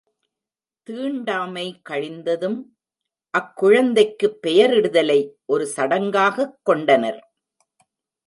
தீண்டாமை கழிந்ததும் அக்குழந்தைக்குப் பெயர் இடுதலை ஒரு சடங்காகத் கொண்டனர்.